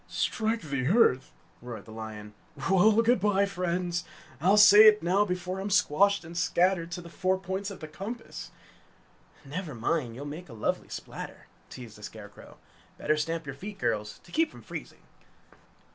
"Strike the earth!" roared the lion. "Well, good bye, friends! I'll say it now before I'm squashed and scattered to the four points of the compass!" "Never mind, you'll make a lovely splatter!" teased the Scarecrow. "Better stamp your feet, girls, to keep from freezing!"